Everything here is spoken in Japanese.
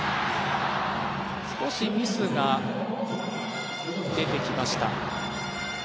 少しミスが出てきました。